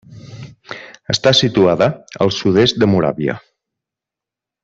Està situada al sud-est de Moràvia.